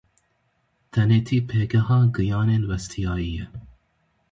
Tenêtî pêgeha giyanên westiyayî ye.